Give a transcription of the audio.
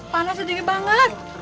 panas sedikit banget